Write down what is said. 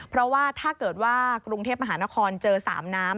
เพราะว่าถ้าเกิดว่ากรุงเทพมหานครเจอ๓น้ำ